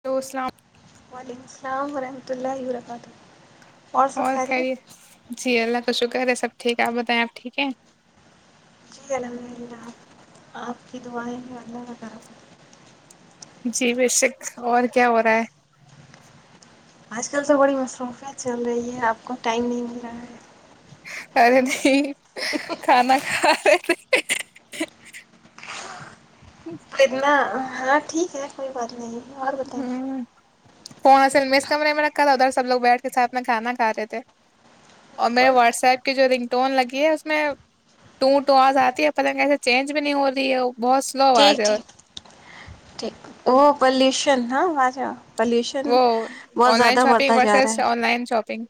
hello السلام وعلیکم السلام ورحمۃ اللہ وبرکاتہ سب اور خری خیریت جی الگ تو شکر ہے سب ٹھیک ہے آپ بتائیں آپ ٹھیک ہے جی الحمد للہ آپ کی دعائیں میں اللہ باکارم جی بشک اور کیا ہو رہا ہے آج کل تو بڑی مصروفت چل رہی ہے آپ کو ٹائم نہیں مل رہا ہے ارے نہیں کھانا کا ج نا ہاں ٹھیک ہے کوئی بات نہیں ہے، اور بتائیں ہوں فنصل مس کمنےے میں رکھا تھا ادھر سب لوگ بیٹھ کے سھ میں کھانا کھا رہے تھے اور میں کوئی واٹس ایپ کے جو رنک ٹون لگی ہے اس میں ٹو ٹو آز آتی ہے پتنگ ایسے چینج بھی نہیں ہو رہی ہے وہ ٹھیک ٹھیک ٹھیک وہ پلیش کرنا وعج وہ آن لائن شاپنگ جا رہا وورسز آن ہے لائن شاپنگ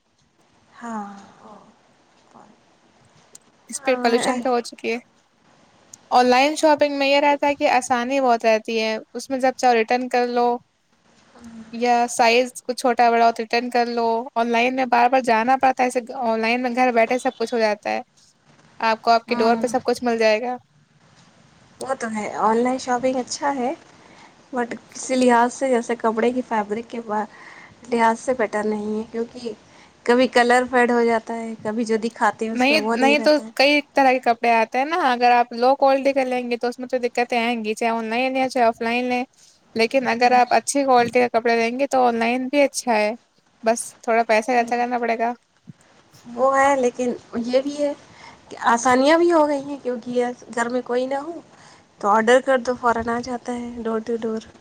ہاں ا اس پ پالوشن پ ہو چکی ہے آن لائن شاپنگ میں یہ رہتا ہے کہ آسانی بہت رہتی ہے اس میں جب چاہو ریٹرن کر لو یا سائز کچھ چھوٹا بڑا ہو تو ریٹرن کر لو آن لائن میں بار بار جانا پڑتا ہے ایسے آن لائن میں گھر بیٹھے سب کچھ ہو جاتا ہے آپ کو آپ کے ڈور پہ سب کچھ مل جائے گا وہ تو ہے آن لائن شاپنگ اچھا ہے بٹ کسی لحاظ سے جیسے کپڑے کی فیبرک کے بع لحاظ سے بیٹر نہیں ہے کیونکہ کبھی کلر فیڈ ہو جاتا ہے کبھی جو د نہیں نہیں تو کئی طرح کے کپڑے آتے ہیں نا اگر آپ لو کوالٹی کا لیں گے تو اس میں تو دقتیں آئیں گی چاہے آن لائن یا چاہے آف لائن ہے لیکن اگر آپ اچھی کوالٹی کا کپڑے لیں گے تو آن لائن بھی اچھا ہے بس تھوڑا پیسہ ارچھا کرنا پڑے گا [unintelligible]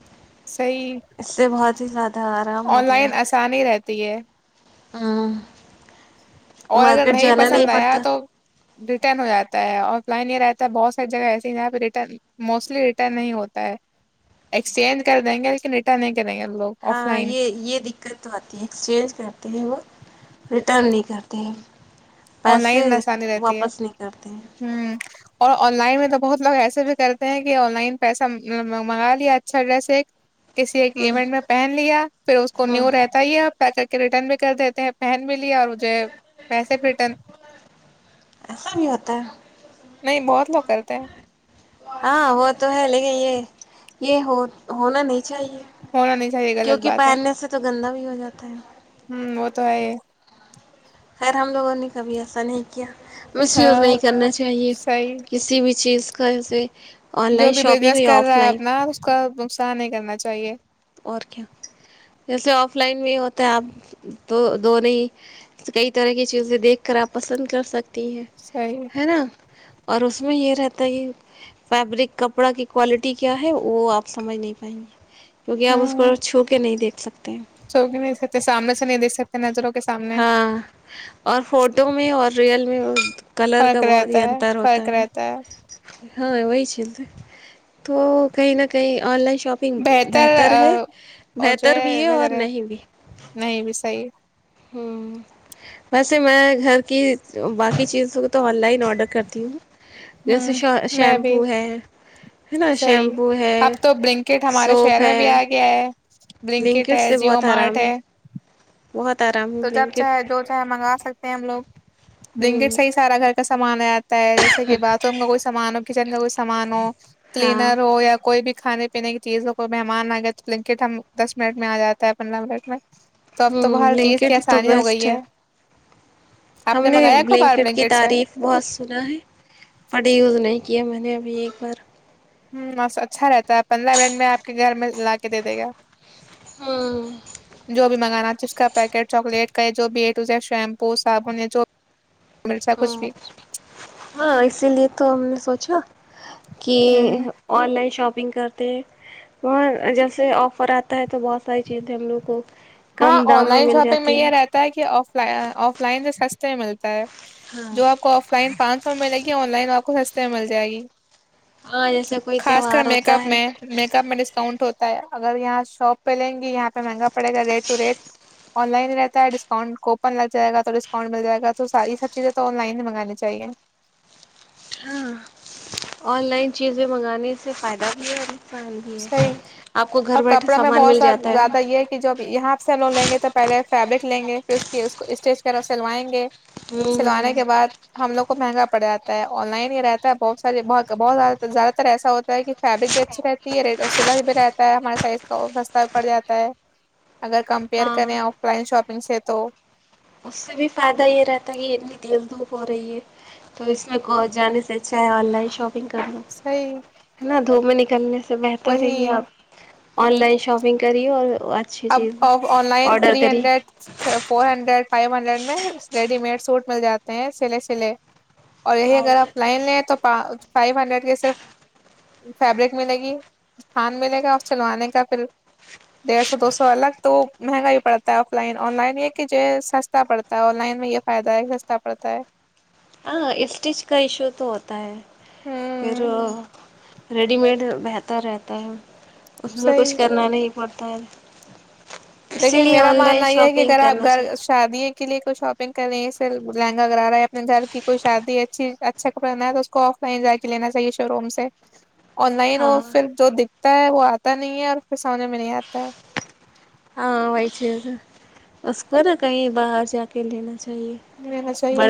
صحی اس سے بہت ہی زیادہ آرام ہو آن لائن آسانی ہی رہتی ہے ہاں اور اگر مارکیٹ جانا نہیں پسند آیا پڑتا تو ریٹرن ہو جاتا ہے آف لائن یہ رہتا ہے بہت ساری جگہ ایسی جہاں پہ رٹن موسٹلی ریٹرن نہیں ہوتا ہے ایکسچینج کر دیں گے لیکن ریٹرن کریں گے لوگ آف ہاں لائن یہ یہ دقت تو آتی ہے ایکسچینج کرتے ہیں وہ ریٹرن نہیں کرتے ت آن لائن آسانی رہتی ہے کرتے ہیں ہ اور آن لائن میں تو بہت لوگ ایسے بھی کرتے ہیں کہ آن لائن پیسہ منگا لیا اچھا ڈریس ایک کسی ایک ہاں ایونٹ میں پہن لیا پھر اس کو ہاں نیو رہتا ہی اب پیک کر کے ریٹرن بھی کر دیتے ہیں پہن ملی اور مجھے ویسے پھر ایسا نہیں ہوتا نہیں بہت لوگ کرتے ہیں ہاں وہ تو ہے لے گئی ہے یہ ہو ہونا نہیں ہونا نہیں چاہیے غلط کیونکہ بات ہے پہننے سے تو گندا بھی ہو جاتا ہے ہ وہ تو ہے خر ہم لوگوں نے کبھی ایسا نہیں کیا مس یوز ہاں نہیں کرنا چاہیے صحیح کسی بھی چیز کل سے جو بھی بزنس کر رہا ہے اپنا اس کا نقصان نہیں کرنا چاہیے اور کیا جیسے آف لائن میں ہوتا ہے آپ تو دون ہی کئی طرح کی چیزیں دیکھ کر آپ پسند کر سکتے ہیں صحیح ہے نا اور اس میں یہ رہتا ہے کہ فیبرک کپڑا کی کوالٹی کیا ہے وہ آپ سمجھ نہیں پائیں گے کیوںہ آپ اس کو چھو کے نہیں دیکھ سکتے ہیں سوک نہیں د سکتے ہیں سامنے سے نہیں دے سکتے نظر ہاں اور فوٹو میں اور ریئل ج [inaudible] فرق رہتا ہے فرق رہتا ہے ہاں وہی چلز تو کئی نہ کئی آن لائن شاپنگ بہتر ہے ا جو بہتر بھی ہے اور ہےر نہیں نہیں بھی صحیح ہے ہ ویسے میں گھر کی باقی چیزوں کو تو آن لائن آڈر کرتی ہوں جیسے ہوں میں بھی شیمپو ہے ہے نا صحیح شیمپو ہے اب تو برنکٹ ہمارے سوپ شہر میں بھی ہے آ گیا ہے برنکٹ بلینکٹ ہے سے جیو بہت مارٹ آرام ہے بہت آرام ہے تو جب بلینکٹ چاہے جو چاہے منگوا سکتے ہیں ہم لوگ ہوں بنگٹ صحیح سارا گھر سمان ہے ہوتا ہے جیسے کہ باتھ روم کا کوئی سامان ہو کچن کا کوئی سامان ہو ہاں کلینر ہو یا کوئی بھی کھانے پینے کی چیز ہو کوئی مہمان آ گیا تو لنکٹ ہم دس منٹ میں آ جاتا ہے پندرہ منٹ میں تو اب ہوں تو ہر لنک چیز کی تو آسانی ہو بیسٹ گئی ہے آپ ہم نے منگایا کو بار بلینکٹ کی بلنکٹ سے تعریف بہت سنا ہے پ یوز نہیں کیا میں نے ابھی ایک بار ہس اچھا رہتا ہے پندرہ منٹ میں آپ کے گھر میں لا کے دے دے گا ہوں جو بھی منگانا جس کا پیکٹ چاکلیٹ کا ہے جو بیٹز ہے شیمپو صابن ہے جو مل سا ہ کچھ بھی ہاں اسی لیے تو ہم نے سوچا کہ ہ آن لائن شاپنگ کرتے ہیں وہ جیسے آفر آتا ہے تو بہت ساری چیزیں ہم لوگ کو ہاں کم آن دام میں لائن مل شاپنگ میں جاتی یہ رہتا ہے کہ آ آف لائن سے سستے میں ملتے اور [inaudible] ہاں جو آپ کو آف لائن پانچ سو میں ملے گی آن لائن آپ کو س سے مل جائے گی ہاں جیسے کوئی خاص کر تہوار میک ہوتا اپ ہے میں میک اپ میں ڈسکاؤنٹ ہوتا اگر یہاں شاپ پہ لیں گی یہاں پہ مہنگا پڑے گا توورت آن لائن ہی رہتا ہے ڈسکاؤنٹ کوپن لگ جائے گا تو ڈسکاؤنٹ مل جائے گا تو ساری یہ سب چیزیں تو آن لائن ہی منگانی چاہیے ہاں آن لائن چیزیں منگانے سے فائدہ بھی ہے نقصان بھی ہے صحیح آپ کو گھر اور بیٹھے کپڑا میں سامان بہت مل س جاتا زیادہ یہ ہے کہ جب یہاں سے ہم لوگ لیں گے تو پہلے فیبرک لیں گے پھر اس کی اس کو اسٹیج کر سلوائیں گے سلوانے ہوں کے بعد ہم لوگ مہنگا پڑ جا ہے آن لائن ہی رہتا ہے بہت سارے بہت ز زیادہ تر ایسا ہوتا ہے کہ فیبرک بھی اچھے رہتے سلائی بھی رہتا ہے ہمارے سائز کا سستہ بھی پڑ جاتا ہے اگر کمپیئر ہاں کریں آف لائن شاپنگ م سےے تو اس سے بھی فائدہ یہ رہتا ہے کہ اتنی تیز دھوپ ہو رہی ہے تو اس میں جانے سے اچھ ہے آن لائن شاپ صحیح ہے نا دھو میں ن کیا سے بہتر ہے یہ وہی آپ آن لائن شاپنگ کری اور اچھی چیز اب آن لائن آڈر تھری کریے hundred four hundred five hundred میں ریڈی میڈ سوٹ مل جاتے ہیں سلے سلے اور یہی ہاں اگر یہ آپ لائن ہے تو فائیو ہنڈریڈ کے صرف فیبرک ملے گی تھھان ملے گا اور چلوانے کا پھر ڈیڑھ سو دو سو الگ تو مہنگا ہی پڑتا ہے آف لائن آن لائن یہ کہ جو سستا پڑتا ہے آن لائن میں یہ فائدہ ہے سستا پڑتا ہے ہاں اسٹیچ کا ایشو تو ہوتا ہے ہ میرو ریڈی میڈ بہتر رہتا ہے اس میں صحیح کچھ کرنا نہیں بدل لیکن میرا ماننا یہ ہے کہ اگر آپ کرنا گھر چاہیے شادی کے لیے کچھ شاپنگ کر رہی ہیںھر لہنا کرا ہے اپنے گھر کی کوئی شادی اچھی اچھا کپڑا بنا ہے تو اس کو آف لائن جا کے لینا چاہیے شو روم سے آن لائن وہ ہاں پھر جو د آتا ہے وہ آتا نہیں ہے اور اس پھر سامنے میں نہیں آتا ہے ز اس کو نا کہیں باہر جا کے لینا چاہی لینا چاہیے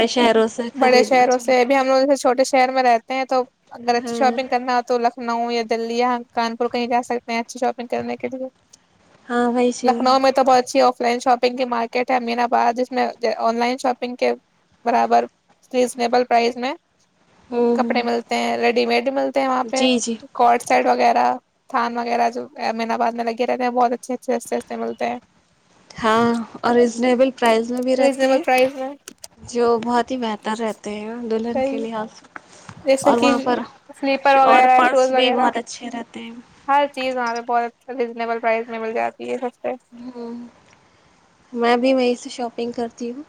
بڑے خریدنا شہروں چاہیے سے اب ہم لوگوں چھوٹے شہر میں رہتے ہیں تو اگر اچھی ہاں شاپنگ کرنا ہو تو لکھنؤ یا دلی اں کانپور کہیں جا سکتے ہیں اچھی شاپنگ کرنے کے لیے ہاں وہی چیز لکھنؤ میں تو بہت اچھی آ لائن شاپنگ کی مارکیٹ ہے امین آباد جس میں آن لائن شاپنگ شنگ کے برابر ریزنیبل پرائز میں ہوں کپڑے ہوں ملتے ہیں ریڈی میڈ بھی ملتے ہیں وہاں پہ جی جی کٹ سیٹ وغیرہ تھان وغیرہ جو امین آباد میں لگے رہتے ہیں بہت اچھے اچھے آستے آستے ملتے ہیں ہاں اور ریزنیبل پرائز میں بھی رہتے ریزنیبل ہیں پرائز میں جو بہت ہی بہتر رہتا ت دلہن کے صحیح لحاظ جیسے اور کہ وہاں پر سلیپر اور وغیرہ ہے شوز پرس بھی وغیرہ بہت اچھے رہتے ہیں ہر چیز وہاں پہ بہت اچھ ریزنیبل پرائز میں مل جاتی ہے سب ہ میں بھی وہیں سے شاپ نگ کرتی ہوں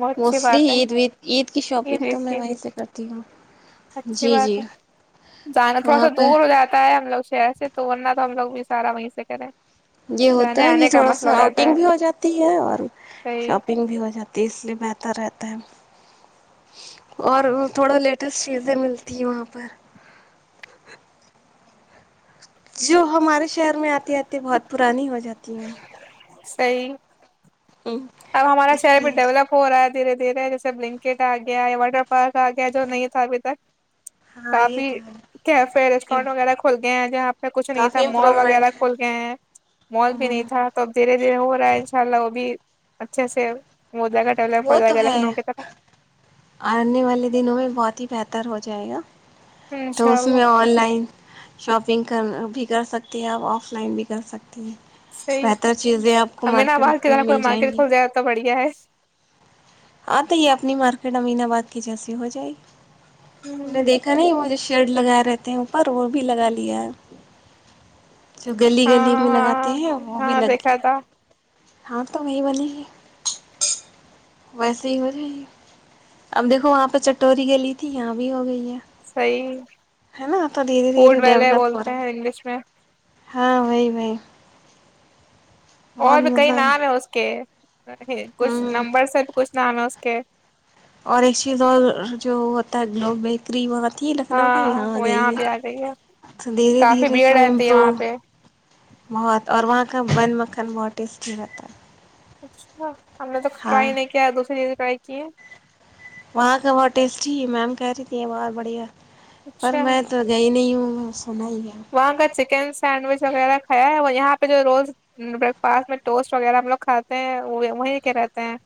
بت اچھی موسٹلی بات عید وید عید کی ہے شاپنگ تو میں کی وہیں سے کرتی ہوں اچھی جی بات جی ہے جانا تھوڑا وہاں سا پہ دور ہو جاتا ہے ہم لوگ شہر سے تو ورنہ تو ہم لگ بھی سارا وہیں سے کریں یہ ہوتا جانے ہے کہ آنے کا تھوڑا مسئلہ سا ہو جاتا آؤٹنگ ہے بھی ہو جاتی ہے اور صحیح شاپنگ بھی ہو جاتی ہے اس لیے بت رہتا ہے اور تھوڑا لیٹسٹ چیزیں ملتی ہے وہاں پر جو ہمارے شہر میں آتے آتے بہت پرانی ہو جاتی ہے صی اب ہمارا اس شہر بھی لیے ڈیولپ ہو رہا ہے تھا دھیرے دھیرے جیسے بلنکٹ آ گیایا واٹر پارک آ گیا جو نہیں تھا ابھی تک ہاں یہ کافی تو ہے کیفے ریسٹورینٹ وغیرہ کھول کہ ج آپ کچھ نہیں تھا کافی مال وغیرہ امپرومنٹ ہے کھول گئے ہیں مال بھی نہیں ہوں تھا تو اب دھیرے دھیرے ہو رہا ہے ان شاء اللہ وہ بھی اچھا سے وہ جائے گا ڈیولپ ہو وہ تو جائے گا ہے لکھنؤ کی طرف آنے والے دنوں میں بہت ہی بہتر ہو جائے گا تو انشاء اس میں اللہ آن لائن شاپنگ کر بھی کر سکتے ہیں اپ آف لائن بھی کر سکتے ہیں صحیح بہتر چیزیں آپ کو امینا مارکیٹ باہر کی میں طرح کوئی مل جائیں مارکیٹ گی کھول جائے تو بڑھیا ہے [unintelligible] ہاں تو یہ اپنی مارکیٹ امین آباد کی جیسی ہو جائے میں ہوں، نے دیکھا نہیں مجھے شیڑ لگائے رہتے ہیں اوپر وہ بھی لگا لیا ہے جو گلی گلی ہاں میں لگاتے ہیں ہاں وہ بھی ہاں لگ دیکھا گیا تھا ہاں تو وہی بنے گی ویسے ہی ہو جائے گی اب دیکھو وہاں پہ چٹوری گلی تھی یہاں بھی ہو گئی ہے صیح ہے نا تو دھیرے فڈ دھیرے والے ڈیولپ ہو بولتے رہا ہیں ہے انگلش میں ہاں وہی بائی اور بھی کئی نام ہے اس کے کوشن ہوں نمبر سر کو ہاں نمسکے اور ایک چیز اور جو ہوتا ہے گوب بیکری وہاں تھی لکھنؤ کی ہاں یہاں وہ جائیے بھی آ گئی ہے تو دھیرے کافی دھیرے بھیڑ سب رہتی ہے امپروو وہاں پہ بہت اور وہاں ک بند مکھن ماٹیسٹیر تھا اچھا ہم نے تو ٹرائی نہیں کیا ہے دوسری چیز ت کی وہاں کا بہت ٹیسٹی میم کہہ رہی تھی بہت بڑھیا پر اچھا میں تو گئی نہیں ہوں سنا ہی ہے وہاں کا چکن سینڈوچ وغیرہ کھیا ہے وہ یہاں یہ پہ جو روز بریک فاسٹ میں ٹوسٹ وغیرہ ہم لوگ کھاتے ہیں وہ وہیں ل کے رہتے ہیں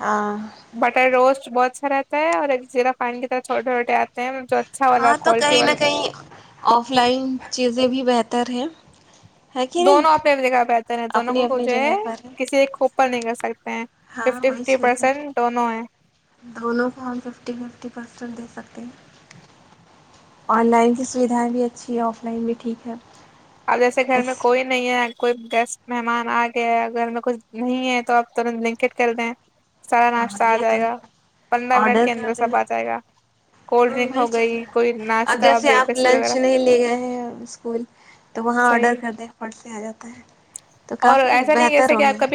ہاں بٹر روسٹ بہت اچھا رہتا ہے اور ایک جیرا پانی کی طرح چھوٹے چھوٹے آتے ہیں جو اچھا والا ہاں تو کوالٹی کہیں نہ والا کو کہیں فلائنگ چیزیں بھی بہتر ہیں ہے کہ نہیں دونوں اپنے بھی دکھا بہتےر ہیں دونوں اپنی اپنی جو ہے جگہ پر کسی ایک پ نہیں گ س ہاں وہی چیز ہے ہیں دونوں کو ففٹی فف پر ے سکتے ہیں آن لائن کی سھائیں بھی اچھی ہے آف لائن بھی ٹھیک ہے اب جیسے گھر میں بس کوئی نہیں ہے کوئی گیسٹ مہمان آ گیا ہے اگر میں کچھ نہیں ہے تو آپ ترنت لنکٹ کر دیں سارا ہاں ناشتہ آ یہ تو جائے گا ہے پندرہ منٹ آڈر کے کر اندر دیں سب آ جائے گا کولڈ ہاں ڈرنک وہی ہو چل گئی رہا ہے کوئی اب ناشتہ جیسے آپ بسکٹ لنچ وغیرہ نہیں لے گئے ہیں اسکول تو وہاں آڈر صحیح کر دیں فٹ سے آ جاتا ہے تو کافی بہتر ہو گیا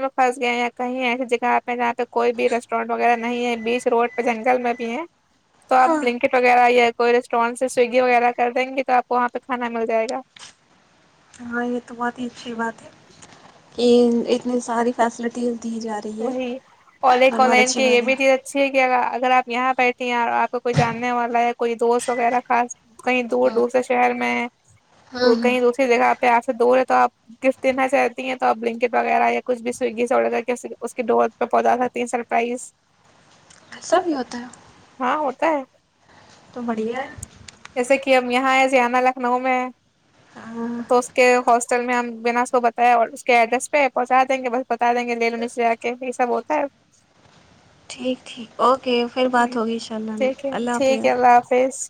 پھس گیا یا کہیں ایسی جگہ آپ میں جاںہ کوئی بھی ریسٹورینٹ وغیرہ نہیں ہے بیچ روڈ پہ جنگل میں بھی ہے تو آپ ہاں لنکٹ وغیرہ کوئی ریسٹورینٹ سے سویگی وغیرہ کر دیں گی تو آپ کو وہاں پہ کانا مل جائےا ہاں یہ تو بہت ہی اچھی بات ہے کہ اتنی ساری فیسلٹیز دی جا رہی ہے وہی اور تو ایک آ بہت لائن اچھی کی یہ بات ہے بھی چیز اچھی ہے کہ اگر آپ یہاں بیٹھی ہیں آپ کو کوئی جاننے والا ہے کوئی دوست وغیرہ خاص کہیں دور ہاں دور سے شہر میں ہاں ہاں کہیں دوسری جگہ پہ آ دوور ہے تو آپ کف دیننا چ رہتی ہیں توپ بلینکٹ وغیرہ یا کچھ بھی سویگی سے آڈس اس کے ڈت پہ پودا تھا تین سرپرائز ایسا بھی ہوتا ہے ہاں ہوتا ہے تو بڑییا جسے کہ اب یہاں ہے زانا لکھنؤ میں ہاں تو اس کے حصل سل میں ہم بنا اس کو بتایا اور اس کے ایڈریس پہ پہنچا دیں گے بس بتا دیں گے لونے سے آ کے یہ سب ہو [unintelligible] ٹھیک ٹھیک اوکے پھر بات ہوگی ان شاء اللہ ٹھیک ہے اللہ ٹھیک ہے حافظ اللہ حافظ